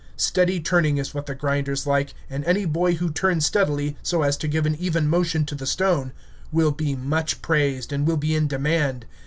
Steady turning is what the grinders like, and any boy who turns steadily, so as to give an even motion to the stone, will be much praised, and will be in demand.